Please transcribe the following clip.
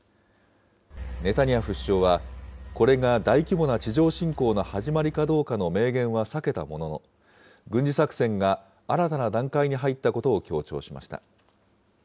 ネタニヤフ首相は、これが大規模な地上侵攻の始まりかどうかの明言は避けたものの、軍事作戦が新たな段階に入ったことを強調しました。